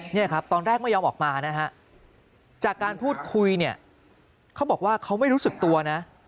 นี่ครับตอนแรกไม่ยอมออกมานะฮะจากการพูดคุยเนี่ยเขาบอกว่าเขาไม่รู้สึกตัวนะ